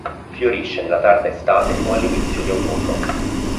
Fiorisce nella tarda estate o all'inizio di autunno.